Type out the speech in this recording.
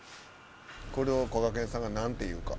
これをこがけんさんがなんて言うか。